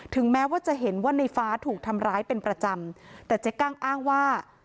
แม้ว่าจะเห็นว่าในฟ้าถูกทำร้ายเป็นประจำแต่เจ๊กั้งอ้างว่า